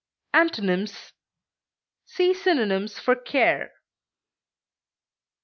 Antonyms: See synonyms for CARE.